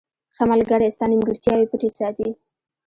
• ښه ملګری ستا نیمګړتیاوې پټې ساتي.